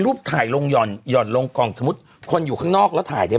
ถ่ายลงห่อนหย่อนลงกล่องสมมุติคนอยู่ข้างนอกแล้วถ่ายได้